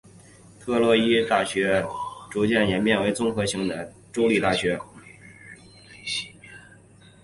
特洛伊大学逐渐演变成综合性的州立大学。